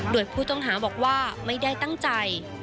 โดยผู้ต้องหาบอกว่าไม่ได้ตั้งใจ